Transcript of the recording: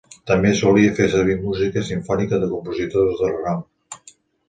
També solia fer servir música simfònica de compositors de renom.